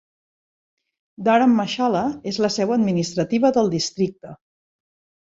Dharamshala és la seu administrativa del districte.